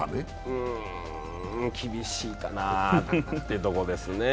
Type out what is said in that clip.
うーん、厳しいかなというところですね。